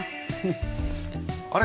あれ？